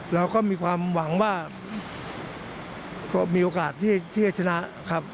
เราก็มีความหวังว่าก็มีโอกาสที่จะชนะครับ